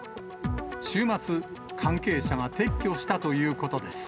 週末、関係者が撤去したということです。